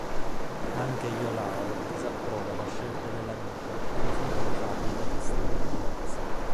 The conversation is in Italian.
Anche Iolao disapprova la scelta dell'amico e rifiuta di fargli da testimone di nozze.